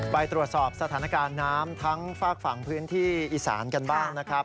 ไปตรวจสอบสถานการณ์น้ำทั้งฝากฝั่งพื้นที่อีสานกันบ้างนะครับ